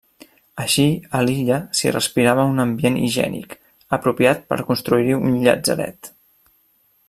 Així a l'illa s'hi respirava un ambient higiènic, apropiat per construir-hi un Llatzeret.